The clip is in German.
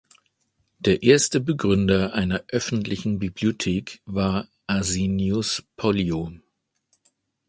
Der erste Begründer einer öffentlichen Bibliothek war Asinius Pollio.